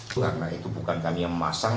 karena itu bukan kami yang memasang